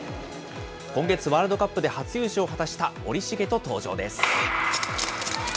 今月、ワールドカップで初優勝を果たした森重と登場です。